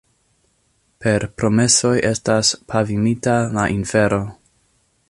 Per promesoj estas pavimita la infero.